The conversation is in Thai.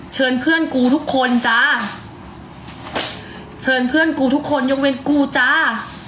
เชิญเพื่อนกูทุกคนจ้าเชิญเพื่อนกูทุกคนยกเว้นกูจ้า